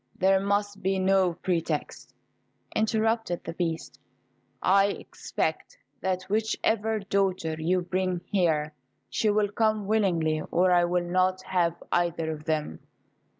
"There must be no pretext," interrupted the Beast. "I expect that whichever daughter you bring here she will come willingly, or I will not have either of them.